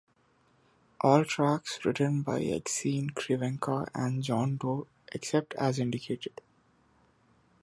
All tracks written by Exene Cervenka and John Doe except as indicated.